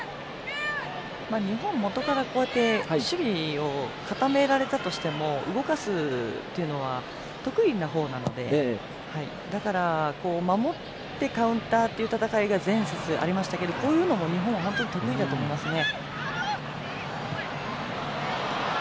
日本、もとから守備を固められたとしても動かすというのは得意な方なのでだから守ってカウンターっていう戦いが、前節にありましたけどこういうのも、日本は本当に得意だと思いますね。